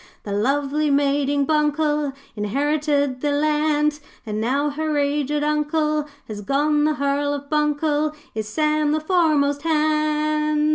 'The lovely maiding Buncle Inherited the land; And, now her aged Uncle Has gone, the Hearl of Buncle Is Sam, the foremast hand.'